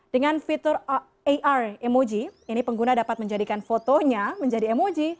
dengan fitur ar emoji ini pengguna dapat menjadikan fotonya menjadi emoji